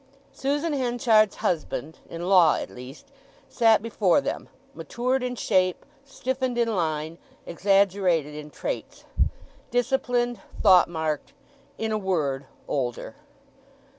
Susan Henchard's husband—in law, at least—sat before them, matured in shape, stiffened in line, exaggerated in traits; disciplined, thought marked—in a word, older.